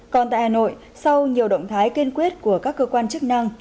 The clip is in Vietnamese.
còn tại hà nội sau nhiều động thái kiên quyết của các cơ quan